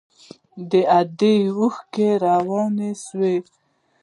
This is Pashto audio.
د ادې اوښکې روانې سوې.